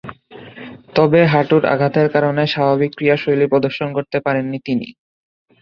তবে হাঁটুর আঘাতের কারণে স্বাভাবিক ক্রীড়াশৈলী প্রদর্শন করতে পারেননি তিনি।